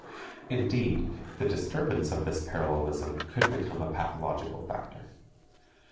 Indeed, the disturbance of this parallelism could become a pathological factor.